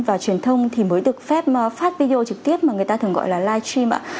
và truyền thông thì mới được phép phát video trực tiếp mà người ta thường gọi là live stream ạ